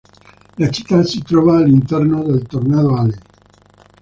La città si trova all'interno del Tornado Alley.